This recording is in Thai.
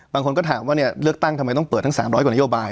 บางคนก็ถามว่าเลือกตั้งทำไมต้องเปิดทั้ง๓๐๐กว่านโยบาย